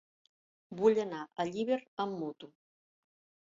Vull anar a Llíber amb moto.